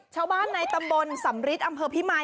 ชาวบ้านในตำบลสำริทอำเภอพิมาย